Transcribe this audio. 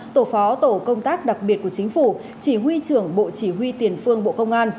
tổ phó tổ công tác đặc biệt của chính phủ chỉ huy trưởng bộ chỉ huy tiền phương bộ công an